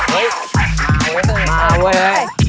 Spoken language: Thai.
เฮ้ย